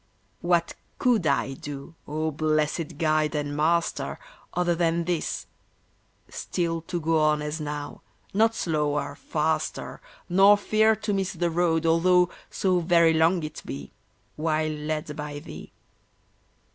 What COULD I do, O blessed Guide and Master, Other than this: Still to go on as now, not slower, faster, Nor fear to miss The road, although so very long it be, While led by Thee?